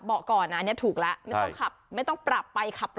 เจ็บตอนหัวกระแทกพวงมาลัย